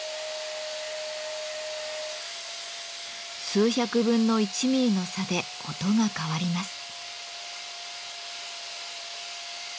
数百分の１ミリの差で音が変わります。